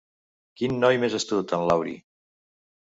Quin noi més astut, en Laurie!